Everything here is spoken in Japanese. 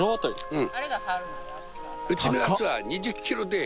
うん。